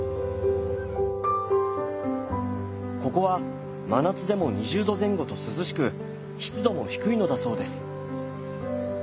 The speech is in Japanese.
ここは真夏でも２０度前後と涼しく湿度も低いのだそうです。